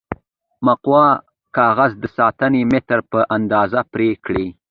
مقوا کاغذ د سانتي مترو په اندازه پرې کړئ.